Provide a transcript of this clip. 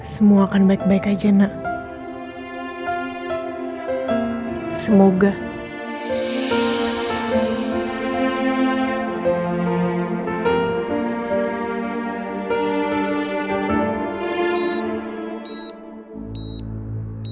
semua akan baik baik aja nak